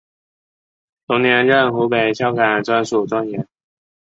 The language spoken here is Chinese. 同年任湖北孝感专署专员。